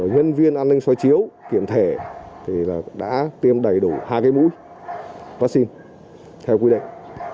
nhân viên an ninh xóa chiếu kiểm thể thì đã tiêm đầy đủ hai cái mũi vaccine theo quy định